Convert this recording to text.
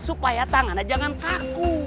supaya tangan aja jangan kaku